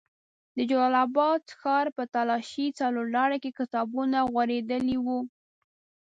د جلال اباد ښار په تالاشۍ څلور لاري کې کتابونه غوړېدلي وو.